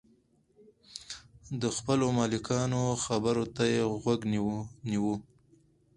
د خپلو ملکانو خبرو ته یې غوږ نیوی.